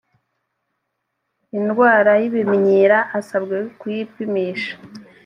indwara y ibimyira asabwe kuyipimisha